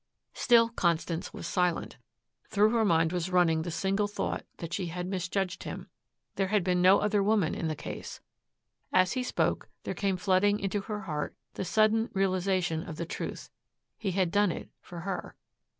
Still Constance was silent. Through her mind was running the single thought that she had misjudged him. There had been no other woman in the case. As he spoke, there came flooding into her heart the sudden realization of the truth. He had done it for her.